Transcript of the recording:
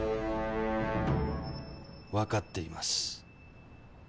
わかっています。